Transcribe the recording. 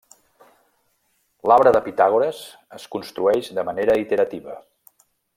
L'arbre de Pitàgores es construeix de manera iterativa.